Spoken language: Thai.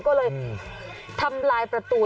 ก็เลยทำลายประตู